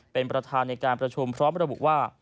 เป็นประธานในการประชุมพร้อมระบุว่า